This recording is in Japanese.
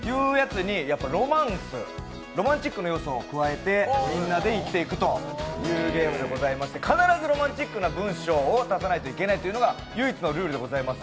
やっぱロマンス、ロマンチックな要素を加えてみんなで言っていくというゲームでございまして必ずロマンチックな文章を足さないといけないというのが唯一のルールでございます